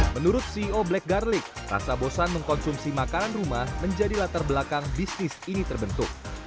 menurut ceo black garlic rasa bosan mengkonsumsi makanan rumah menjadilah terbelakang bisnis ini terbentuk